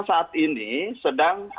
saat ini sedang